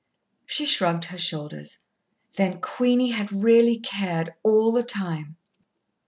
She shrugged her shoulders. Then Queenie had really cared all the time!